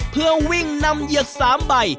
เพื่อวิ่งนำเหยือก๓ใบ